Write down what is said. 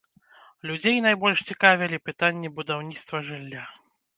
Людзей найбольш цікавілі пытанні будаўніцтва жылля.